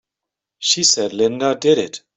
She said Linda did it!